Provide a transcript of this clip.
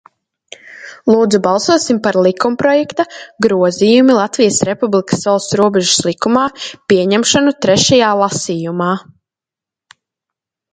"Lūdzu, balsosim par likumprojekta "Grozījumi Latvijas Republikas valsts robežas likumā" pieņemšanu trešajā lasījumā."